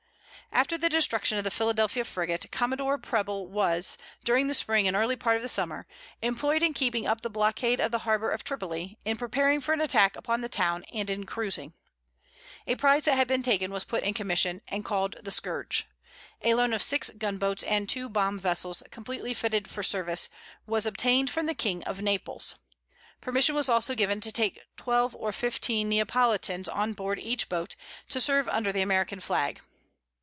After the destruction of the Philadelphia frigate, commodore Preble was, during the spring and early part of the summer, employed in keeping up the blockade of the harbor of Tripoli, in preparing for an attack upon the town and in cruising. A prize that had been taken was put in commission, and called the Scourge. A loan of six gun boats and two bomb vessels, completely fitted for service, was obtained from the king of Naples. Permission was also given to take twelve or fifteen Neapolitans on board each boat, to serve under the American flag.